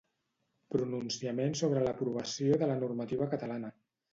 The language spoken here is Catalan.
Pronunciament sobre l'aprovació de la normativa catalana.